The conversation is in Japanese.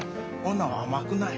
女は甘くない。